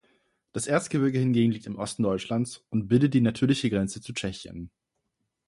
Das Erzgebirge hingegen liegt im Osten Deutschlands und bildet die natürliche Grenze zu Tschechien.